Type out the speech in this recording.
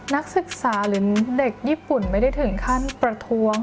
นักศึกษาหรือเด็กญี่ปุ่นไม่ได้ถึงขั้นประท้วง